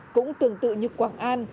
cũng tương tự như quảng an